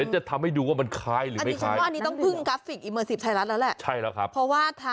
จะทำให้ดูว่ามันคล้าย